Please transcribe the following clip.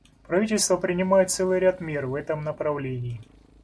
Правительство принимает целый ряд мер в этом направлении.